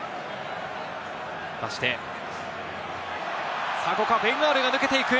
出して、ここはベン・アールが抜けていく。